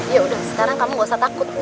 ya udah sekarang kamu takut